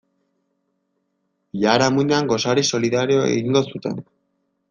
Biharamunean gosari solidarioa egingo zuten.